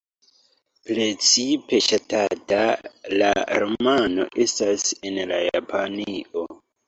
Precipe ŝatata la romano estas en Japanio.